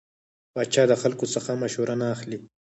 پاچا د خلکو څخه مشوره نه اخلي .